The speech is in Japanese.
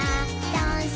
ダンス！